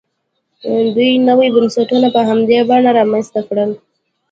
دوی نوي بنسټونه په همدې بڼه رامنځته کړل.